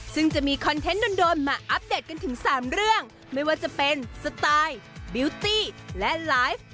ซึ่งจะมีคอนเทนต์โดนมาอัปเดตกันถึง๓เรื่องไม่ว่าจะเป็นสไตล์บิวตี้และไลฟ์